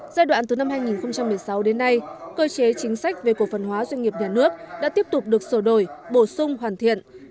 giai đoạn từ năm hai nghìn một mươi sáu đến nay cơ chế chính sách về cổ phần hóa doanh nghiệp nhà nước đã tiếp tục được sở đổi bổ sung hoàn thiện